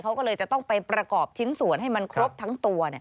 เขาก็เลยจะต้องไปประกอบชิ้นส่วนให้มันครบทั้งตัว